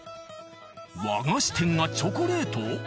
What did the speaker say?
和菓子店がチョコレート？